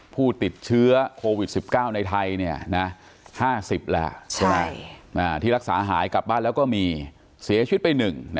ผู้ติดเชื้อโควิด๑๙ในไทย๕๐แล้วที่รักษาหายกลับบ้านแล้วก็มีเสียชีวิตไป๑